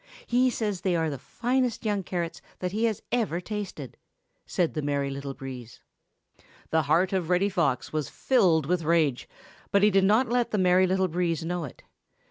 He says they are the finest young carrots that he has ever tasted," said the Merry Little Breeze. The heart of Reddy Fox was filled with rage, but he did not let the Merry Little Breeze know it.